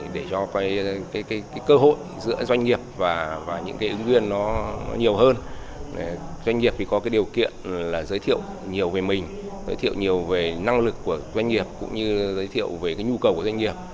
để cho cơ hội giữa doanh nghiệp và những ứng viên nhiều hơn doanh nghiệp có điều kiện giới thiệu nhiều về mình giới thiệu nhiều về năng lực của doanh nghiệp cũng như giới thiệu về nhu cầu của doanh nghiệp